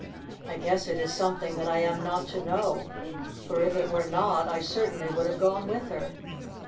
I guess it is something that I am not to know ; for if it were not, I cer tainly would have gone with her.